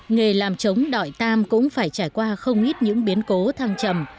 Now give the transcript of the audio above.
nghề làm trống đội tam cũng phải trải qua không ít những biến cố thăng trầm